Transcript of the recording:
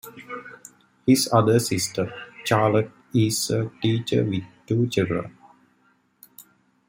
His other sister, Charlotte, is a teacher with two children.